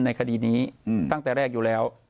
คดีนี้ตั้งแต่แรกอยู่แล้ว